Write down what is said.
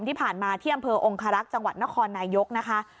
ที่ผ่านมาที่อำเภอองคารักษ์จังหวัดนครนายกนะคะ